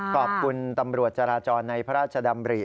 ขอบคุณตำรวจจราจรในพระราชดำริ